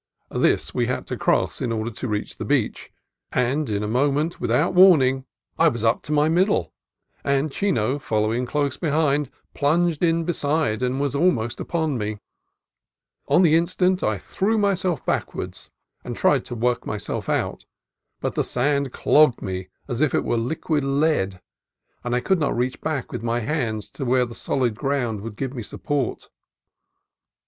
This we had to cross in order to reach the beach, and in a moment, without warning, I was up AN ADVENTURE WITH QUICKSAND 107 to my middle, and Chino, following close behind, plunged in beside and almost upon me. On the in stant I threw myself backward, and tried to work myself out, but the sand clogged me as if it were liquid lead, and I could not reach back with my hands to where the solid ground would give me sup port.